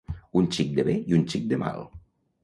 Un xic de bé i un xic de mal.